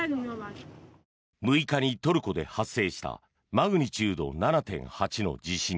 ６日にトルコで発生したマグニチュード７．８の地震。